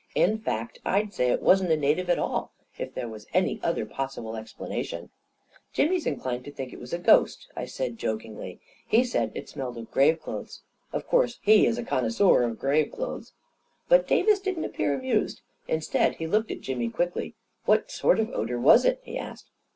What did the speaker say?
" In fact, I'd say it wasn't a native at all, if there was any other possible explanation." " Jimmy is inclined to think it was a ghost," I said A KING IN BABYLON 125 jokingly. " He says it smelled of grave clothes. Of course, he is a connoisseur of grave clothes." But Davis didn't appear amused. Instead, he looked at Jimmy quickly. " What sort of odor was it? " he asked.